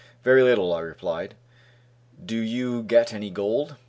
"Very little," I replied. "Did you get any gold?"